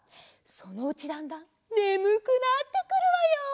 そのうちだんだんねむくなってくるわよ。